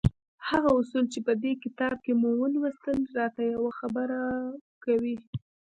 هغه اصول چې په دې کتاب کې مو ولوستل را ته يوه خبره کوي.